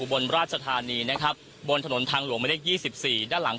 บนราชธานีนะครับบนถนนทางหลวงหมายเลข๒๔ด้านหลัง